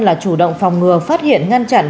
là chủ động phòng ngừa phát hiện ngăn chặn